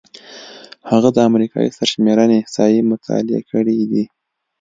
هغه د امریکايي سرشمېرنې احصایې مطالعه کړې دي.